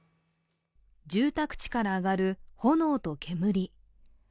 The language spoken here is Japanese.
住宅地から上がる炎と煙。